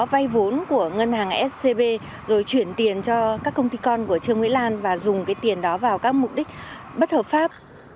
vay vốn của ngân hàng scb rồi chuyển tiền cho các công ty con của trương mỹ lan và dùng cái tiền đó vào các mục đích bất hợp pháp